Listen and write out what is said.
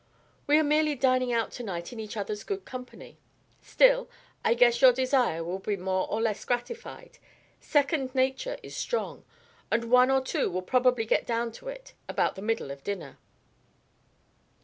We are merely dining out to night in each other's good company. Still, I guess your desire will be more or less gratified. Second nature is strong, and one or two will probably get down to it about the middle of dinner."